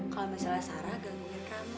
kalau misalnya sarah gak punya rama